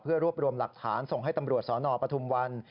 รวบรวมหลักฐานส่งให้ตำรวจสนปทุมวัน